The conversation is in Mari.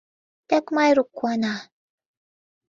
Тек Майрук куана».